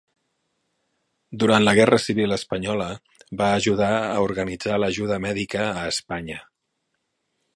Durant la guerra civil espanyola, va ajudar a organitzar l'ajuda mèdica a Espanya.